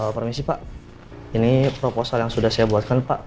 permisi pak ini proposal yang sudah saya buatkan pak